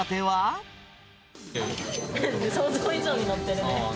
想像以上に載ってるね。